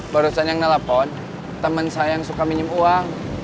barusan yang telepon temen saya yang suka minum uang